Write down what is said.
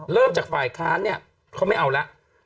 เริ่มจากฝ่ายค้านเนี่ยเขาไม่เอาแล้ว